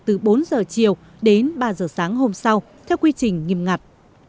từ bốn giờ chiều đến ba giờ sáng hôm sau theo quy trình nghiêm ngặt